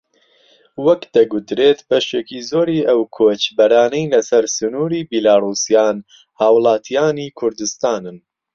وەک دەگوترێت بەشێکی زۆری ئەو کۆچبەرانەی لەسەر سنووری بیلاڕووسیان هاوڵاتیانی کوردستانن